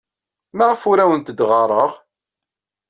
Maɣef ur awent-d-ɣɣareɣ?